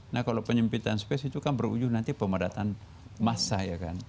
nah kalau penyempitan space itu kan berujung nanti pemadatan massa ya kan